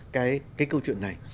cái câu chuyện này